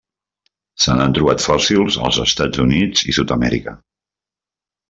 Se n'han trobat fòssils als Estats Units i Sud-amèrica.